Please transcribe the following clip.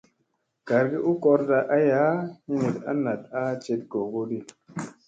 Gargi u korda aya hiniɗ a naɗ jeɗ googodi.